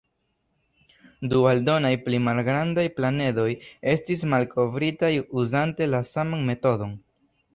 Du aldonaj pli malgrandaj planedoj estis malkovritaj uzante la saman metodon.